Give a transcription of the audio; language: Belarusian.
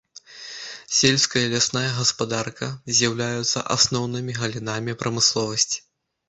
Сельская і лясная гаспадарка з'яўляюцца асноўнымі галінамі прамысловасці.